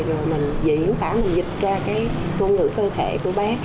rồi mình diễn tả mình dịch ra cái ngôn ngữ cơ thể của bé